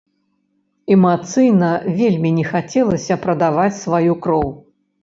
Эмацыйна вельмі не хацелася прадаваць сваю кроў.